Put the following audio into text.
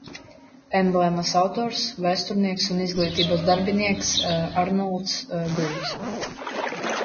Emblēmas autors: vēsturnieks un izglītības darbinieks Arnolds Gulbis.